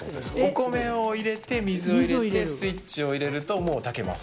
お米を入れて水を入れて、スイッチを入れると、もう炊けます。